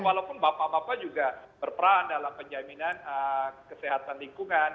walaupun bapak bapak juga berperan dalam penjaminan kesehatan lingkungan